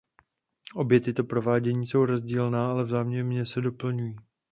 Obě tato provádění jsou rozdílná, ale vzájemně se doplňují.